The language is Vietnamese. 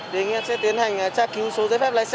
thì anh sẽ tiến hành tra cứu số giấy phép lái xe